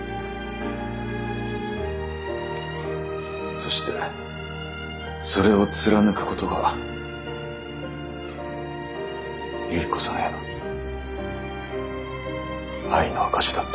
そしてそれを貫くことが有依子さんへの愛の証しだったんだ。